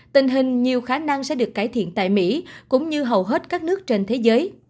tình hình nhiều khả năng sẽ được cải thiện tại mỹ cũng như hầu hết các nước trên thế giới